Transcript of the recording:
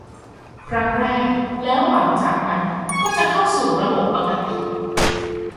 ครั้งแรก แล้วหลังจากนั้นก็จะเข้าสู่ระบบปกติ